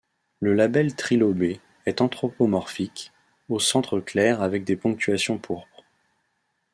Le labelle trilobé est anthropomorphique, au centre clair avec des ponctuations pourpres.